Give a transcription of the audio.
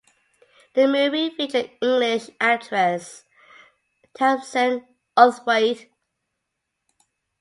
The movie featured English actress Tamzin Outhwaite.